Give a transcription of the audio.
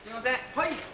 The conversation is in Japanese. はい。